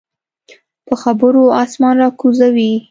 په خبرو اسمان راکوزوي.